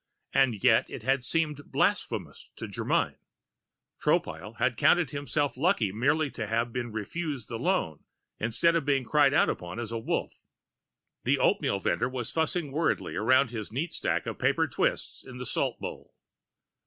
And yet it had seemed blasphemous to Germyn. Tropile had counted himself lucky merely to have been refused the loan, instead of being cried out upon as Wolf. The oatmeal vendor was fussing worriedly around his neat stack of paper twists in the salt bowl.